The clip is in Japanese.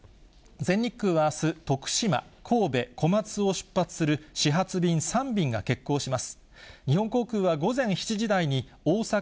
全日空はあす、徳島、神戸、小松を出発する始発便３便が欠航します。